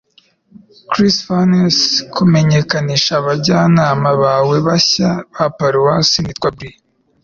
Chris Furness Kumenyekanisha abajyanama bawe bashya ba paruwasi: Nitwa Bria